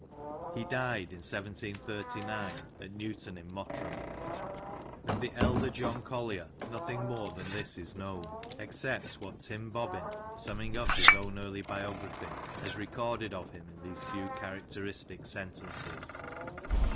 He died in 1739 at Newton in Mottram, Of the elder John Collier nothing more than this is known, except what Tim Bobbin, summing up his own early biography, has recorded of him in these few character istic sentences.